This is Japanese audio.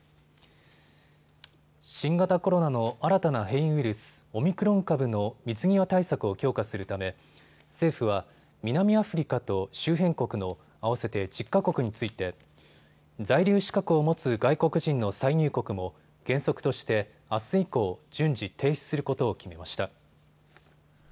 新型コロナの新たな変異ウイルス、オミクロン株の水際対策を強化するため政府は南アフリカと周辺国の合わせて１０か国について在留資格を持つ外国人の再入国も原則としてあす以降、順次、停止することを決めました。